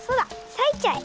さいちゃえ！